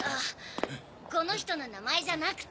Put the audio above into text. この人の名前じゃなくて。